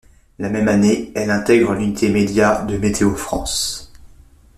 La même année, elle intègre l'unité Médias de Météo-France.